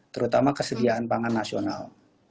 terutama kesediaan pangan nasional